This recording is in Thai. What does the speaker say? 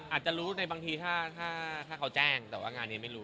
อาจจะรู้ในบางทีถ้าเขาแจ้งแต่ว่างานนี้ไม่รู้